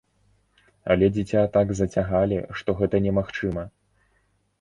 Але дзіця так зацягалі, што гэта немагчыма.